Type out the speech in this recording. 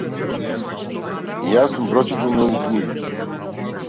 Јас сум прочитал многу книги.